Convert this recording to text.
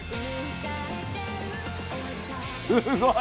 すごい！